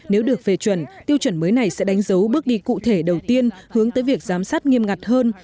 nếu được phê chuẩn tiêu chuẩn mới này sẽ đánh dấu bước đi cụ thể đầu tiên hướng tới việc giám sát nghiêm ngặt hơn